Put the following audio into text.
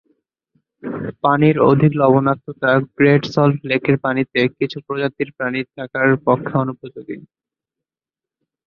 পানির অধিক লবণাক্ততা great salt লেকের পানিতে কিছু প্রজাতির প্রাণীর থাকার পক্ষে অনুপযোগী।